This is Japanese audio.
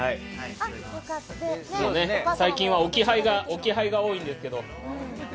最近は置き配が多いんですけど。